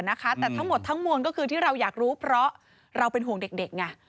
แต่ทั้งหมดทั้งมวลก็คือที่เราอยากรู้เพราะเราเป็นห่วงเด็กไง